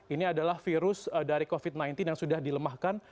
ini adalah virus dari covid sembilan belas yang sudah dilemahkan